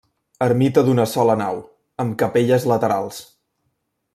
Ermita d'una sola nau, amb capelles laterals.